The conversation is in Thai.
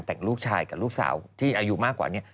แต่งลูกชายกับลูกสาวที่อายุมากกว่านี้